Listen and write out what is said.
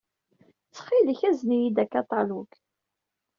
Ttxil-k, azen-iyi-d akaṭalug.